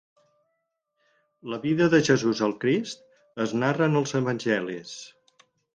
La vida de Jesús el Crist, es narra en els Evangelis.